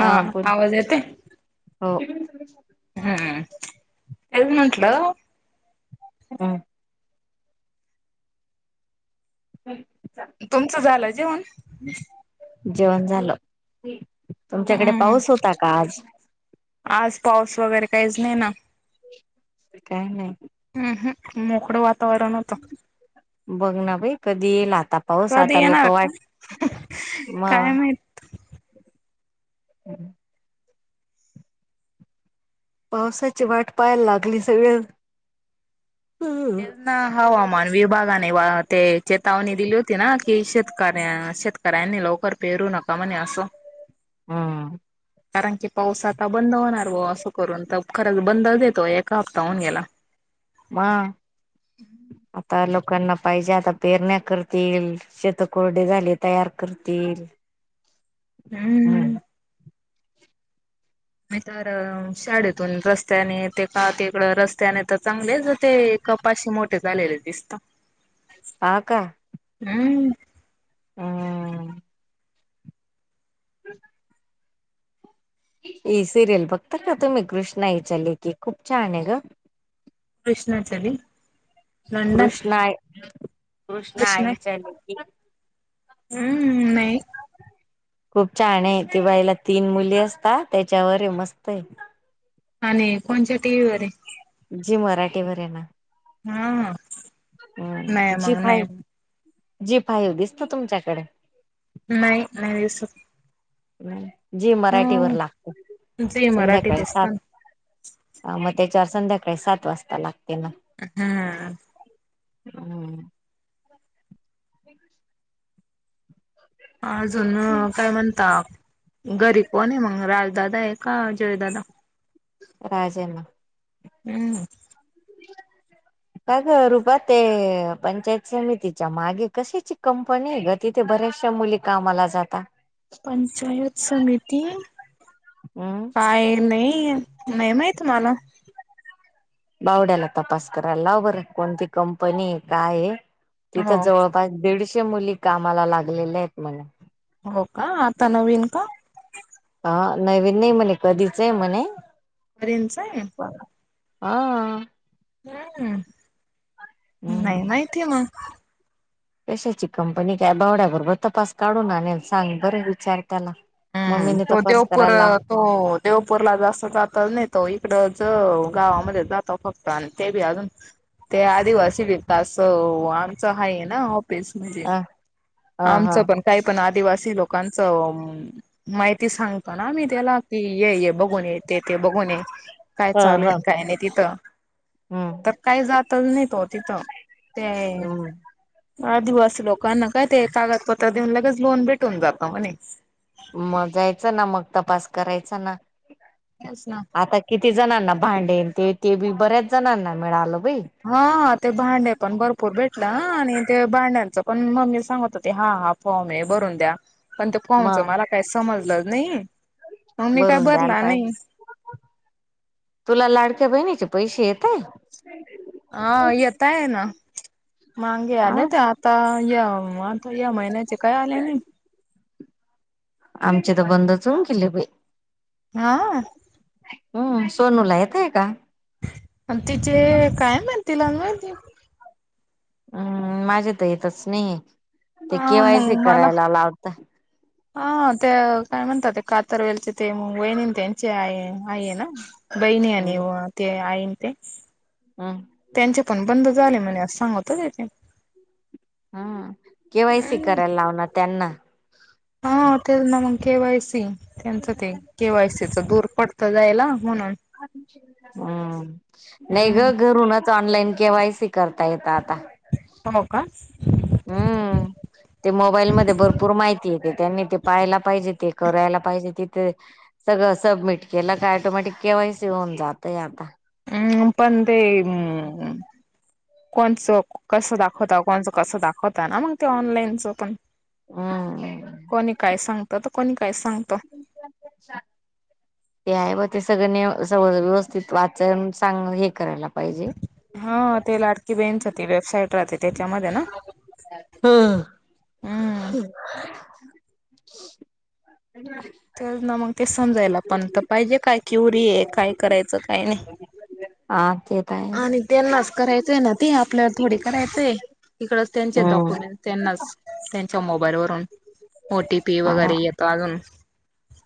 हा बोल आवाज येते हो. हम्म हेच म्हटलं. हम्म. चल चला. तुमचं झालं जेवण. जेवण झालं तुमच्याकडे हम्म पाऊस होता का आज? आज पाऊस वगैरे काहीच नाही ना. काय नाही. हम्म हम मोकळं वातावरण होतं. बघ ना बाई कधी येईल आता पाऊस कधी आता लोक येणार का वाट म. काय माहित हम्म. पावसाची वाट पाहाला लागली सगळे. तेज हवामान विभागाने ते चेतावणी दिली होती ना की शेतकऱ्या शेत तरयांनी लवकर पेरू नका म्हणे अस? हम्म कारण की पाऊस आता बंद होणार व असं करून तर खरंच बंदच येतो एका हप्ता हऊन गेला. म आता लोकांना पाहिजे आता पेरण्या करतील शेत कोरडे झाले तयार करतील. हम्म. म तरर शाळेतून रस्त्याने ते का तकड रस्त्याने तर चांगले ज ते कपाशी मोठे झालेले दिसत. हा का? हम्म. हम् [unintelligible] ह सिरियल बघता का तुम्ही कृष्णा हईच्या लेखी खूप छान आहे ग. कृष्णाचली. कृष्ण कृष्णा कृष्णईच्या लेकी हम्म नाही. खूप छान आहे ती बाईला तीन मुली असतात त्याच्यावर आहे मस्त आहे. आणि कोणाच्या टी व्हीवर आहे? जी मराठीवर आहे ना हा नाही अ जी मग नाही फई. जी फाई दिसत तुमच्याकडे? नाही नाही दिसत. जी मराठी वर ह लागत झी मराठी संध्याकाळी दिसत सात. ना ह मग त्याच्यावर संध्याकाळी सात वाजता लागते नाग. हम्म. हम्म. [inaudible] अजून काय म्हणता घरी कोण आहे मग राजदादा आहे का जयदादा? राजेना हम्म. [inaudible] का ग रुपा ते पंचायत समितीच्या मागे कशाची कंपनी ग? तिथे बऱ्याचशा मुली कामाला जातात पंचायत समिती हम्म काय नाई ही नाही माहित मला बावड्याला तपास करायला लाव बरं कोणती कंपनी काय तिथं हो जवळ पाच दीडशे मुली कामाला लागलेल्या आहेत म्हणे हो का आ त नवीन का? हा नवीन नाही म्हणे कधीच आहे म्हणे. अरेन स आह. हा. हम्म नाही हम्म माहितीय मग. कशाची कंपनी काय बावड्या बरोबर तपास काढून आणल सांग बर विचार त्याला. हम्म मम्मीने तो तपास देवपर करायला हो देवपूरला जास्त जात नाही तो इकडच गावामध्ये जातो फक्त. आणि ते बी अजून ते आदिवासी व असं आमचं हा आहे ना तेच म्हणज अ ह ह आमच पण. काही पण आदिवासी लोकांचं माहिती सांगतो ना आमही त्याला की ये ये बघ बघून ते ते बघून काय हा चालू हा आहे काय नाही तिथं हम्म तर काही जातच नाही त तिथं ते हम्म आदिवासी लोकांना. काय ते कागदपत्र देऊन लगेच लोन भेटून जात म्हणे. मग जायचं ना मग तपास करायचा ना. तेस ना. आता किती जणांना भांडेन ते ते बी बऱ्याच जणांना मिळालं बाई. हाा ते भांडे पण भरपूर भेटलं आणि ते भांड्यांचं पण मम्मी सांगत होते हा हा. फॉर्म हे भरून द्या पण त्या फॉर्मच मग मला काही समजलं नाही. मग मी काय भरून द्यायला भरला नाही. पाहिजे तुला लाडक्या बहिणीचे पैसे येतय? हा येेतय ना मांगे ह आले ते आ आता या आता या महिन्याचे काय आले नाही आमचे तर बंदच होऊन गेले बाई हा. हम्म सोनू ला येतय का. पण तिचे काय माहित तिलाच माहिती हम्म माझे तर येतच नाही ते हा केवायसी मग मला करायला लावतय. हा ते काय म्हणतात ते कातारवेलचे ते वैणीन त्यांचे आहे आई ना. बहिणी आणि हम्म व आईने त हम्म. त्यांचे पण बंद झाले म्हणे असं सांगत होते त्यांनी हम केवायसी करायला लावणार त्यांना. हा तेच ना मग केवायसी. त्यांचं ते केवायसीच दूर पडत जायला म्हणून. हम्म. नाही हम्म ग घरूनच ऑनलाईन केवायसी करता येत आता. हो का? हम्म [inaudible] ते मोबाईलमध्ये भरपूर माहिती येते त्यांनी ते पाहायला पाहिजे ते करायला पाहिजे तिथ सगळं सबमिट केलं का ऑटोमॅटिक केवा्हाैस होऊन जातय आता. हम्म पण ते. कोणचं कसं दाखवता कोणचं कसं दाखवता ना मग ते ऑनलाईनचं पण. हम. कोणी काय सांगत तर कोणी काय सांगत. [unintelligible] ते आहे व ते सगळनी स व्यवस्थित वाचून सांग हे करायला पाहिजे. हा ते लाडकी बहीणच ती वेबसाईट त त्याच्यामध्ये ना हा हम्म. त्याच ना मग ते समजायला पण तर पाहिजे काय क्युरी आहे काय करायचं काय नाही. हा तेच. आणि त्यांनाच करायचंय ना ते आपल्याला थोडी करायचंय इकडच त्यांचे हम्म डॉक्युमेंट त्यांनाच त्यांच्या मोबाईलवरून ओ टी पी हा वगैरे येतो अजून.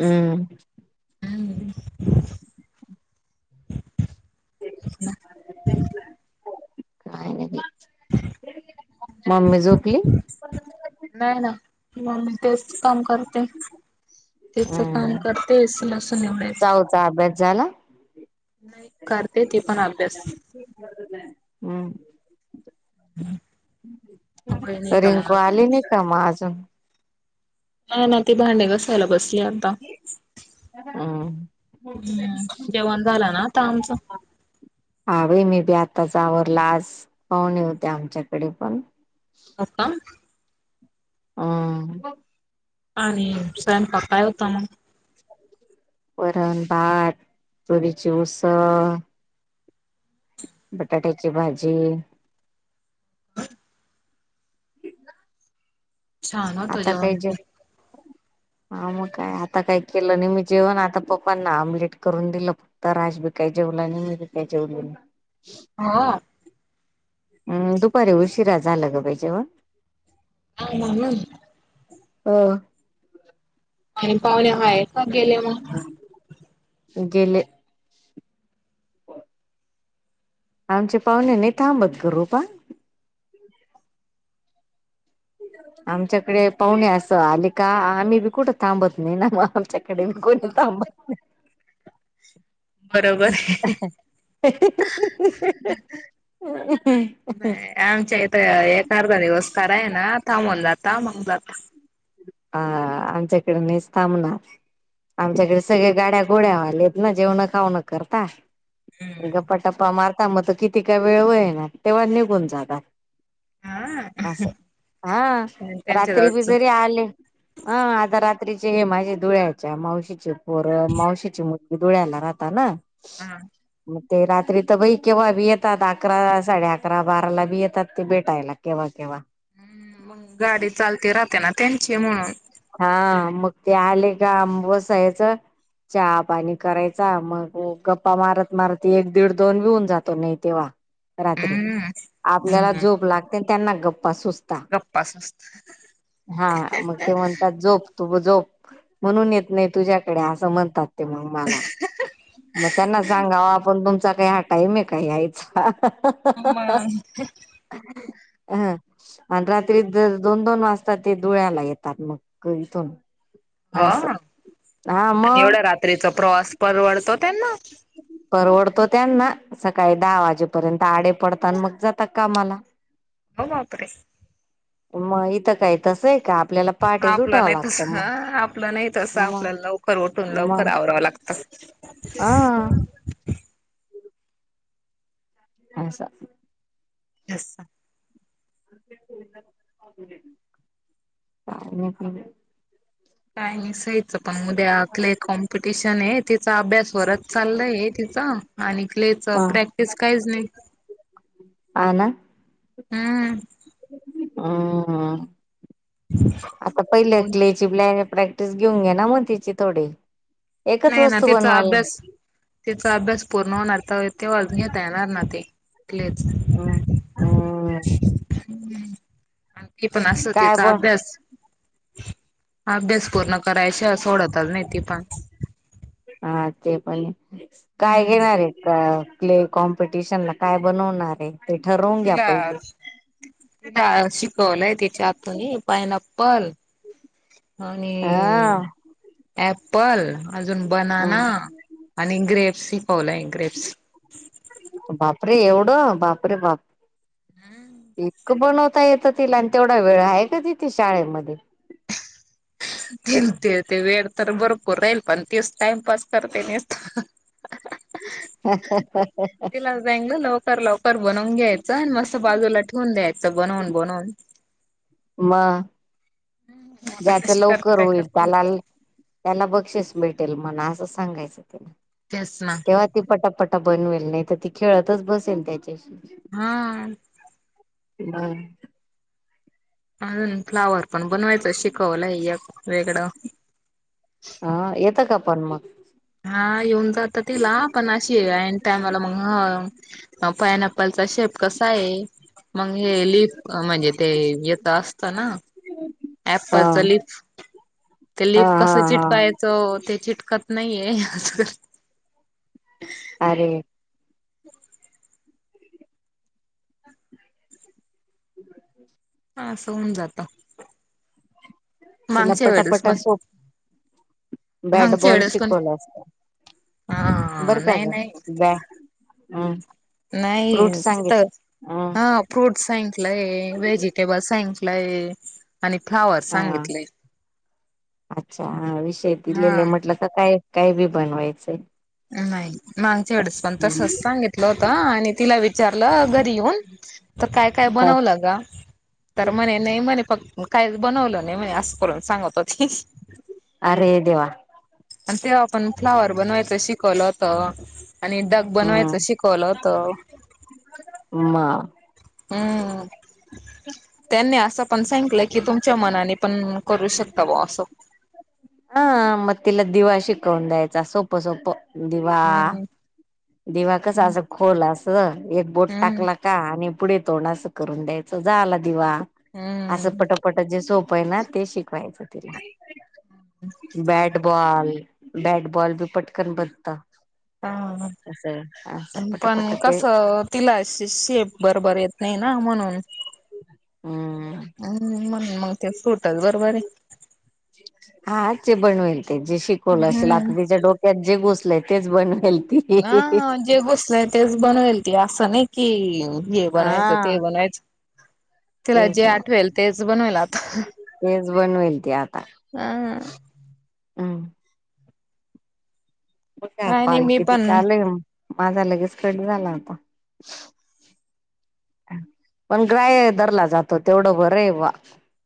हम्म. अं. काय नाही मम्मी झोपली? नाही ना मम्मी तेच काम करते. तिच काम करतेे लसूण निवडायचं. चा अभ्यास झाला. करते ती पण अभ्यास. हम्म. नाही तर मग रिंकू अजून आली नाही का म अजून? हा ना ती भांडे घासाायला बसली आ हम्म हम्म जेवण झालं ना आता आमचं. हा बाई मी बी आताच आवरल आज पाहुणे होते आमच्याकडे पण. आत्ता. हम्म. आणि स्वयंपाक होता मग? वरण, भात, तुरीची उसळ बटाट्याची भाजी. छान होतं आता जेवण काही जेव [inaudible] हा मग काय आता काय केलं नाही मी जेवण आता पप्पांना आमलेट करून दिलं. आता राज बी काय जेवला नाई आणि मी बी काय जेवली नाई. हा. हं दुपारी उशिरा झालं ग बाई जेवण. हा म्हणून. हं. आणि पाहुणे हाय का गेले मग? गेले. पर आमचे पाहुणे नाही थांबत ग रुपा. आमच्याकडे पाहुणे असं आले का आम्ही बी कुठं थांबत नाही ना मग आमच्या कडे बी कोणी थांबत नाही. बरोबर अ हं हं. ही ही ह ह ह ह. अ हं. नाही आमच्या इथ एक अर्धा दिवस कराय ना थांबून जाता मग जाता. हा आमच्याकडं नाईच थांबणार. आमच्याकडे सगळे गाड्या घोड्या आलेत ना जेवण खावन करता गप्पा टप्पा मारता मग त किती का वेळ होईना तेव्हा निघून जातात. हा अस हा त्यांच्या रात्री बी जवळच जरी आले हा आता रात्रीचे हे माझे धुळ्याच्या मावशीचे पोर मावशीची मु धुळ्याला राहता ना. हा. मग ते रात्री तर बई केव्हा बी येतात अकरा साडे अकरा बाराला बी येतात ते भेटायला. केव्हा केव्हा. मग गाडी चालते राहते ना त्यांची म्हणून. हा मग ते आले का आं बसायचं. चहा पाणी करायचा मग गप्पा मारत मारत एक दीड दोन बी होऊन जातो नाही. तेव्हा रात्री हम्म आपल्याला हम्म. जोप लागते आण त्यांना गप्पा सुच गप्पा सुस्त हा मग ते म्हण जोप तू जोप म्हणून येत नाही तुझ्याकडे असं म्हणतात ते मग मला. मग त्यांना सांगाव आपण तुमचा काही हा टाईम आहे का यायचा आ मग हं हं. हा हा. अ आणि रात्री दर दोन दोन वाजता ते धुळ्याला येतात मग. कधीपण. ह आणि एवढ़या रात्रीचा प्रवास परवडतो त्यांना? परवडतो त्यांना. सकाळी दहा वाजेपर्यंत आडे पडता आण मग जातात कामाला. म बापरे. मग इथं काही तसं आहे का आप आपलं नाही तस आपलं नाही तस मग आपल्याला लवकर उठून लवकर आवरावं लागत. ह. असं. असं. काय म्हणती? काय नाई सईचंपण उद्या क्ले कॉम्पिटिशन आहे तिचा अभ्यास वरच चाललाय तिचा. आणि क्लेच ह प्रॅक्टिस काहीच नाही. हा ना. हम्म. हम्म हं. आता पहिल्या हो क्लेची ब्लॅ प्रॅक्टिस घेऊन घे ना मग तिची थोडी. एकच नाही ना वस्तू तिचा बनवायला अभ्यास तिचा अभ्यास पूर्ण होणार तर तेव्हाचं घेता येणार ना ते क्लेच. हम. हे पण असं काय तिचा बन अभ्यास अभ्यास पूर्ण कराय शिवाय सोडतचं नाही ती पण. हा ते पण आहे काय हम्म घेणार आहे? अ क्ले कॉम्पिटिशन ला काय बनवणार आहे? ते ठरून तिला तिला शिकवलंय तिच्या आत्तूनी पाइनाप्पल. आणि हा अँपल अजून बनाना. आणि ग्रेप्स ही पावलय ग्रेप्स. बापरे एवढं बापरे बाप एक बनव ता ही येतं तिला आणि तेवढा वेळ आहे का तिथे शाळेमध्ये. येलते ते वेळ तर भरपूर राहील पण तीच टाइमपस करते निस्त. [unintelligible] लवकर बनवून घ्यायचं आणि मस्त बाजूला ठेवून द्यायचं बनवून-बनवून. म आता ज्याच कशी करते लवकर काय होईल करते. त्याला ल त्यांना बक्षीस भेटेल म्हणा असं सांगायचं तिला. तेच ना. तेव्हा ती पटापटा बनवेल नाही तर ती खेळतचं बसेल त्याच्याशी. हा. बर. अजून फ्लावर पण बनवायचं शिकवलंय एक वेगळं. हा येतं का पण मग? हा येऊन जातात तिला पण अशी टामला मग हां. हा पायनएपलचा शेप कसा आहे? मंग हे लिफ म्हणजे ते येतं असत ना. हम्म. ऍपलचं लिप ते हा लिप हा कसं चिट हा कायचे ते चिटकत नाहीये. अरे [inaudible] [inaudible] असं होऊन जातं तिला मागच्या वेळेस पण. बॅटबॉल शिकवला असतं. आं नाही नाही बॅ नाही फ्रूट सांगित तिथं अ हा फ्रूट सांगितलंय व्हेजिटेबल सांगितलंय आणि फ्लावर हा सांगितलंय. अच्छा हा विषय दिलेले हा म्हटलं का काय काय बी बनवायचंय. नाही मागच्या वेळेच पण तसच सांगितलं होतं आणि तिला विचारलं घरी येऊन तर काय काय ह बनवलं गं तर म्हणे नाही म्हणे फक् म काही बनवलं नाही मने असं करून सांगत होती. अरे देेवा! आणि तेव्हा पण फ्लावर बनवायचं शिकवलं होत आणि डक बनवायचं हम् शिकवलं होता. म हम्म. त्यांनी असं पण सांगितलं की तुमच्या मनाने पण करू शकता व असं. हा मग तिला दिवा शिकवून द्यायचा सोप्पं-सोप्पं दिवा हम्म दिवा कस हम्म असं खोल असं एक बोट हम्म टाकला का आणि पुढे तोंड असं करून द्यायचं झाला दिवा. हम्म. असं पटपट जे सोप्पं आहे ना ते शिकवायचं तिला बॅट फुटबॉल बॅटबॉल भी पटकन बनता. हां. तसं पण कसं तिला शे शेप बरोबर येत नाही ना म्हणून. हम्म. हम्म मंग ते सुटत बरोबर आहे. हा चे बनवेल ते जे शिकवलं असेल हम्म. आकवीचे डोक् त्यात जे गोसलय तेच बनवेल ती. ना जे बसलाय आहे तेच बनवेल त असं नाही की हे बनवायचं हा ते बनवायचं तिला तेच जे ना आठवेल तेच बनवायल. तेच बनवेल ती आता हम्म. काय नाही कॉल मी पण कितीचा आलाय माझा लगेच कट झाला होता. पण ग्राय दरला जातो तेवढं बरे वा.